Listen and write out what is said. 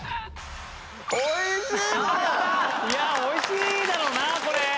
いや美味しいだろうなこれ。